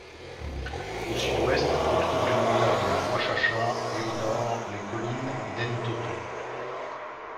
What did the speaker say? Au sud-ouest, on trouve les montagnes Wachacha et au nord, les collines d'Entoto.